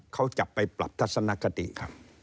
เขาจะไปปรับทัศนคติครับ